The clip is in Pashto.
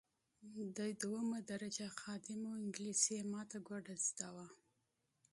دی دوهمه درجه خادم وو انګلیسي یې ماته ګوډه زده وه.